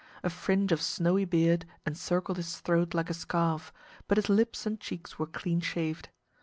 A fringe of snowy beard encircled his throat like a scarf, but his lips and cheeks were clean shaved.